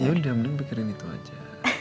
yaudah mending pikirin itu aja